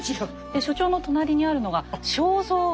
で所長の隣にあるのが肖像画。